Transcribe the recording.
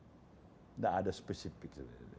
tidak ada spesifik